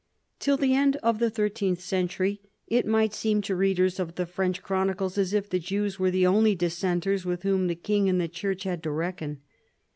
Till the end of the thirteenth century it might seem to readers of the French chronicles as if the Jews were the only dissenters with whom the king and the church had to reckon.